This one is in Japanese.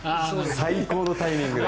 最高のタイミングで。